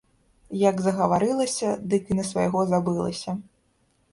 Як загаварылася, дык і на свайго забылася.